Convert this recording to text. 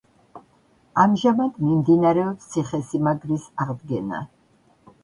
ამჟამად მიმდინარეობს ციხესიმაგრის აღდგენა.